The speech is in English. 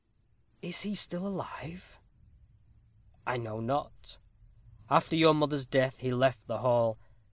"Is he still alive?" "I know not. After your mother's death he left the hall.